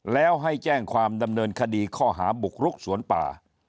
แล้วให้แจ้งความดำเนินคดีข้อหาบุกรุกสวนป่า